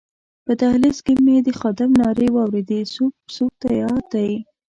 په دهلېز کې مې د خادم نارې واورېدې سوپ، سوپ تیار دی.